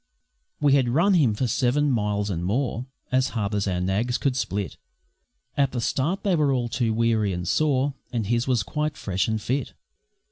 We had run him for seven miles and more As hard as our nags could split; At the start they were all too weary and sore, And his was quite fresh and fit.